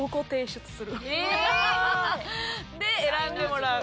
えーっ！で選んでもらう。